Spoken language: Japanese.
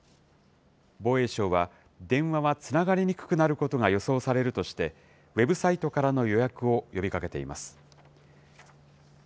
防衛省は電話はつながりにくくなることが予想されるとして、ウェブサイトからの予約を呼びかけています。